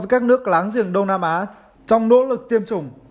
các nước láng giềng đông nam á trong nỗ lực tiêm chủng